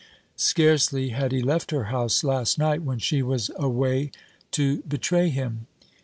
Scarcely had he left her house last night when she was away to betray him!